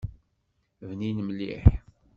Bnin mliḥ!